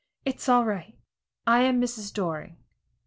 "It's all right; I am Mrs. Doring."